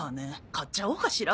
買っちゃおうかしら。